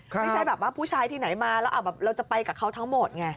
ไม่ใช่แบบว่าผู้ชายที่ไหนมาแล้วเราจะไปกับเขาทั้งหมดไง